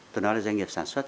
tôi nói là doanh nghiệp sản xuất